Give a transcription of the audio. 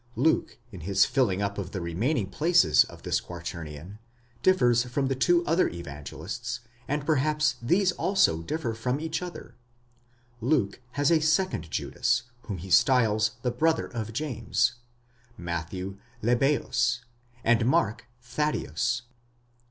Luke, in his filling up of the remaining places of this quaternion, differs from the two other Evangelists, and perhaps these also differ from each other; Luke has a second Judas,. whom he styles the brother of James; Matthew, Lebbeus; and Mark, Thaddeus.